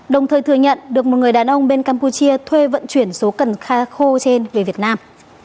đồng thời thừa nhận được một người đàn ông bên campuchia thuê vận chuyển số cần khako trên về việt nam